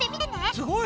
すごい！